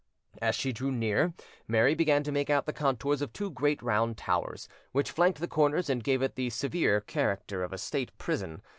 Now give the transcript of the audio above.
As she drew near, Mary began to make out the contours of two great round towers, which flanked the corners and gave it the severe character of a state prison.